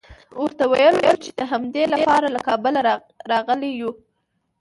ورته ویل مو چې د همدې لپاره له کابله راغلي یوو.